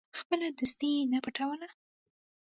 خپله دوستي یې نه پټوله.